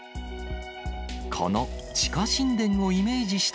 この地下神殿をイメージした